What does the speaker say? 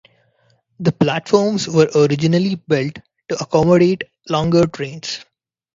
The platforms were originally built to accommodate longer trains.